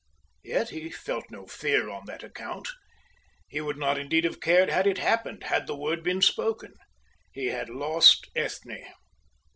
Yet he felt no fear on that account. He would not indeed have cared had it happened, had the word been spoken. He had lost Ethne.